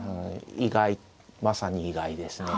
意外まさに意外ですね。